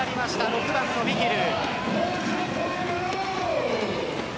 ６番のビヒル。